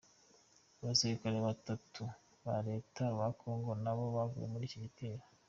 Abasirikare batanu ba leta ya Congo nabo baguye muri icyo gitero.